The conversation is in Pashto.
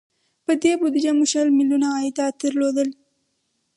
په دې بودجه مو شل میلیونه عایدات درلودل.